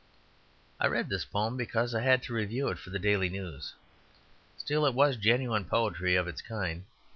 I read this poem because I had to review it for the Daily News; still it was genuine poetry of its kind.